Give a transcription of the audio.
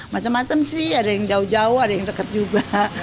macam macam sih ada yang jauh jauh ada yang dekat juga